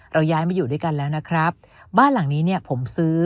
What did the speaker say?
ย้ายมาอยู่ด้วยกันแล้วนะครับบ้านหลังนี้เนี่ยผมซื้อ